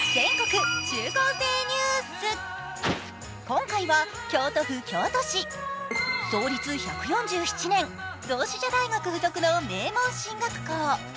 今回は京都府京都市、創立１４７年、同志社大学附属の名門進学校。